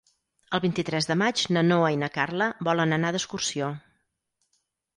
El vint-i-tres de maig na Noa i na Carla volen anar d'excursió.